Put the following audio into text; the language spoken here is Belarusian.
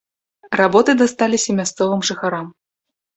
Работы дасталіся мясцовым жыхарам.